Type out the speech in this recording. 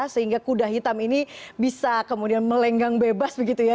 sehingga kuda hitam ini bisa kemudian melenggang bebas begitu ya